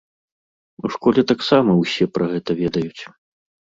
У школе таксама ўсе пра гэта ведаюць.